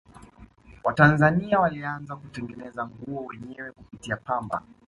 watanzania walianza kutengenezea nguo wenyewe kupitia pamba